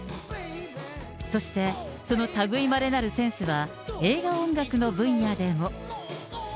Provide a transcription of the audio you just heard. そしてそのたぐいまれなるセンスは、映画音楽の分野でも。